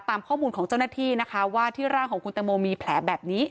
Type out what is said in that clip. ตามข้อมูลของเจ้าหน้าที่นะคะว่าที่ร่างของคุณตังโมมีแผลแบบนี้